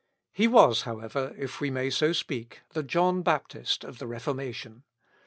He was, however, if we may so speak, the John Baptist of the Reformation.